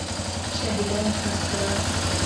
شهیدان ښخ کړه.